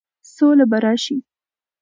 سوله به راشي،